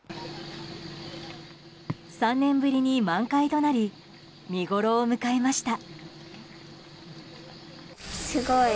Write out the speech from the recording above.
３年ぶりに満開となり見ごろを迎えました。